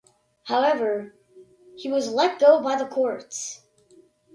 However he was let go by the courts.